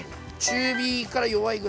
中火から弱いぐらいで。